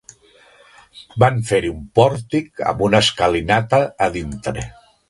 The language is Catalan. Van fer-hi un pòrtic amb una escalinata a dintre.